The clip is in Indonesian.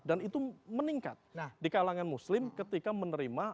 dan itu meningkat di kalangan muslim ketika menerima